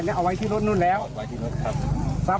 ยืนตัดสินใจอยู่พักหนึ่งครับ